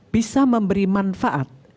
bisa memberi manfaat